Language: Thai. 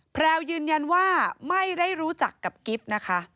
แพลวยืนยันว่าไม่ได้รู้จักกับกิ๊บนะคะ